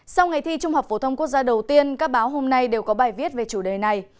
sau ngày thi trung học phổ thông quốc gia đầu tiên các báo hôm nay đều có bài viết về chủ đề này